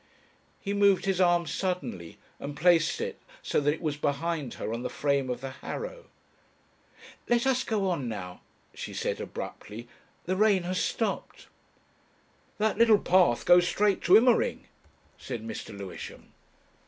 He moved his arm suddenly and placed it so that it was behind her on the frame of the harrow. "Let us go on now," she said abruptly. "The rain has stopped." "That little path goes straight to Immering," said Mr. Lewisham.